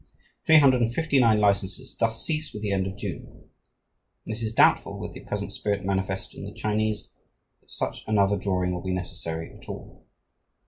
Three hundred and fifty nine licenses thus cease with the end of June, and it is doubtful, with the present spirit manifest in the Chinese, that such another drawing will be necessary at all.